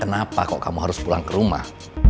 kenapa kok kamu harus pulang ke rumah